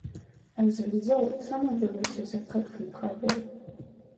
As a result, some of the witches are cut from cardboard.